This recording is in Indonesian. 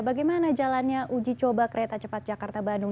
bagaimana jalannya uji coba kereta cepat jakarta bandung